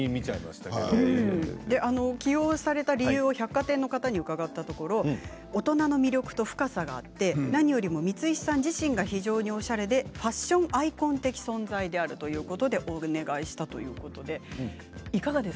起用された理由を百貨店の方に伺ったら大人の魅力と深さがあって何よりも光石さん自身が非常におしゃれでファッションアイコン的存在ということでお願いしたそうです。